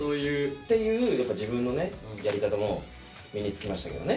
っていう自分のねやり方も身につきましたけどね。